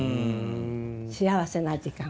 幸せな時間。